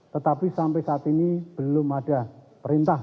tetapi sampai saat ini belum ada perintah